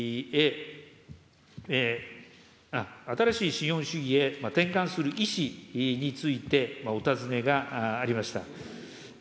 新しい資本主義へ転換する意思についてお尋ねがありました。